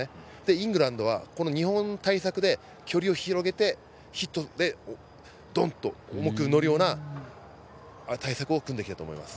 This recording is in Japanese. イングランドは日本対策で距離を広げて、ヒットでドンと重く乗るような対策を組んでいきたいと思います。